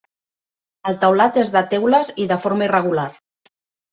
El teulat és de teules i de forma irregular.